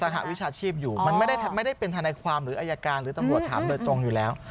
หวิชาชีพอยู่มันไม่ได้เป็นทนายความหรืออายการหรือตำรวจถามโดยตรงอยู่แล้ว